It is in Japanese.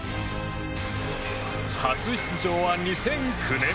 初出場は２００９年。